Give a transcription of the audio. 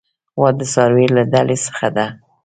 غوا د څارویو له ډلې څخه ده.